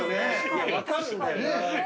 いや分かるんだよな。